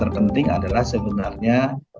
yang penting adalah sebenarnya